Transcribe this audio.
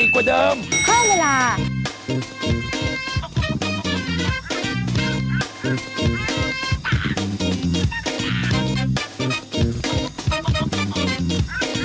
ก็ได้ก็ได้